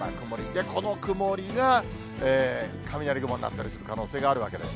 で、この曇りが雷雲になったりする可能性があるわけです。